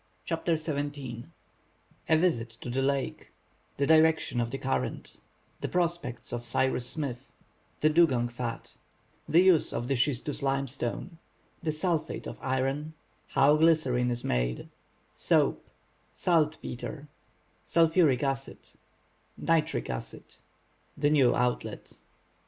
CHAPTER XVII A VISIT TO THE LAKE—THE DIRECTION OF THE CURRENT—THE PROSPECTS OF CYRUS SMITH—THE DUGONG FAT—THE USE OF THE SCHISTOUS LIMESTONE—THE SULPHATE OF IRON—HOW GLYCERINE IS MADE—SOAP—SALTPETRE—SULPHURIC ACID—NITRIC ACID—THE NEW OUTLET.